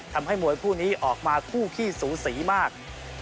ทำให้มวยคู่นี้ออกมาคู่ขี้สูสีมาก